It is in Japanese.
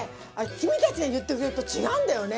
君たちが言ってくれると違うんだよね！